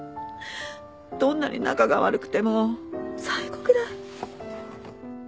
どんなに仲が悪くても最期くらい。